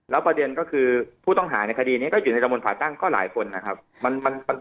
ประเด็นก็คือผู้ต้องหาในคดีนี้ก็อยู่ในตะบนผ่าตั้งก็หลายคนนะครับ